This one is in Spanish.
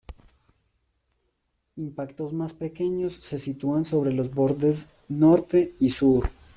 Impactos más pequeños se sitúan sobre los bordes norte y sur.